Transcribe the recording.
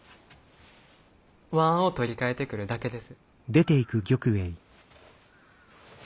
椀を取り替えてくるだけです！